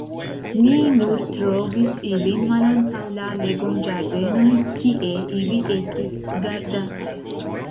Ni nur trovis ilin malantaŭ la legomĝardenoj, kie ili estis gardataj.